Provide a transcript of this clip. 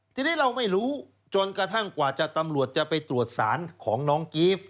ทีนี้เราไม่รู้จนกระทั่งกว่าจะตำรวจจะไปตรวจสารของน้องกีฟ